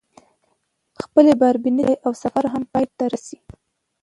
خپلې باربېنې تړي او سفر هم پاى ته رسي.